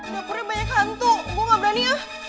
dapurnya banyak hantu gue gak berani ya